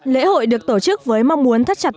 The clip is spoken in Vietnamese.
lễ hội được tổ chức với mong muốn thắt chặt